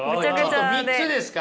３つですか？